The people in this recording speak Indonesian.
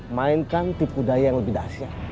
mainkan tipu daya yang lebih dasar